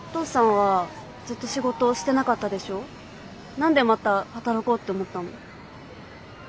何でまた働こうって思ったの？